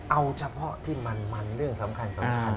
เอาเฉพาะที่มันเรื่องสำคัญ